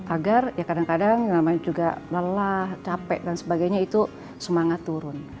agar ya kadang kadang namanya juga lelah capek dan sebagainya itu semangat turun